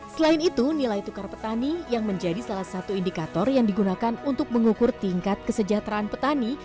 selain itu nilai tukar petani yang menjadi salah satu indikator yang digunakan untuk mengukur tingkat kesejahteraan petani